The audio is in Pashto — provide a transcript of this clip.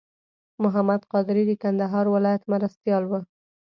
محمد قادري د کندهار ولایت مرستیال و.